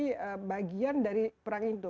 dan kita bisa menjadi bagian dari perang itu